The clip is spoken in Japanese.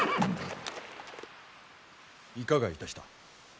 いかがいたした？